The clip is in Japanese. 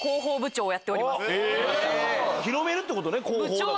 広めるってことね。